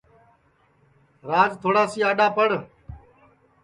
راج تھوڑاسی اڈؔا پڑ